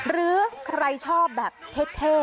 หรือใครชอบแบบเท่